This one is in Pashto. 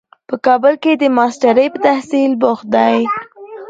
په کابل کې د ماسټرۍ په تحصیل بوخت دی.